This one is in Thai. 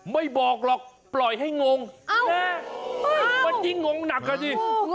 ไม่บอกหรอกปล่อยให้งงนะมันยิ่งงงหนักอ่ะสิ